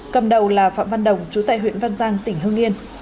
cầm đầu là phạm văn đồng trú tại huyện văn giang tỉnh hưng yên